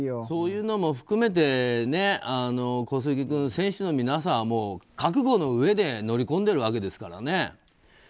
そういうのも含めて小杉君選手の皆さんは覚悟のうえで乗り込んでるわけですからね。